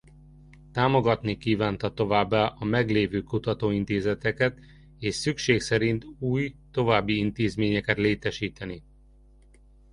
Támogatni kívánta továbbá a meglévő kutatóintézeteket és szükség szerint új további intézményeket létesíteni.